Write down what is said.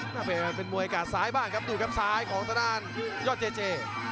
มันเป็นมวยกาดซ้ายบ้างครับดูครับซ้ายของทางด้านยอดเจเจ